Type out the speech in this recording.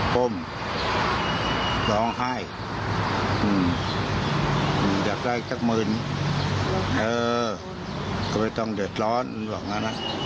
ผมร้องไห้อยากได้สักหมื่นเออก็ไม่ต้องเดือดร้อนบอกงั้น